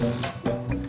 ya saya lagi konsentrasi